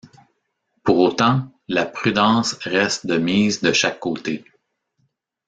Pour autant, la prudence reste de mise de chaque côté.